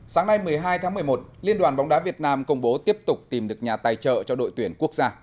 sáng nay một mươi hai tháng một mươi một liên đoàn bóng đá việt nam công bố tiếp tục tìm được nhà tài trợ cho đội tuyển quốc gia